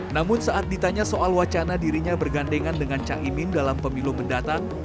namun saat ditanya soal wacana dirinya bergandengan dengan caimin dalam pemilu mendatang